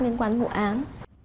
nên quán vụ án